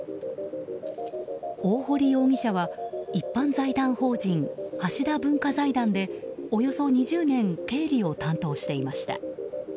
大堀容疑者は一般財団法人、橋田文化財団でおよそ２０年経理を担当していました。